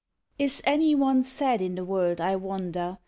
Is any one sad in the world, I wonder?